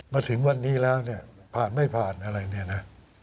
มาถึงวันนี้แล้วเนี่ยผ่านไม่ผ่านอะไรเนี่ยนะ